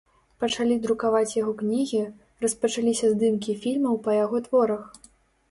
Пачалі друкаваць яго кнігі, распачаліся здымкі фільмаў па яго творах.